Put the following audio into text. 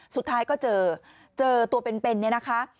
สุดท้ายก็เจอเจอตัวเป็นเนี่ยนะคะ